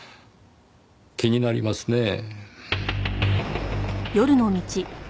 気になりますねぇ。